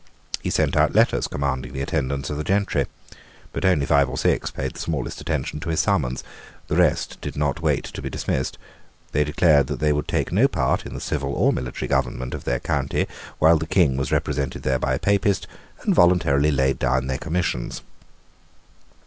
He sent out letters commanding the attendance of the gentry: but only five or six paid the smallest attention to his summons. The rest did not wait to be dismissed. They declared that they would take no part in the civil or military government of their county while the King was represented there by a Papist, and voluntarily laid down their commissions.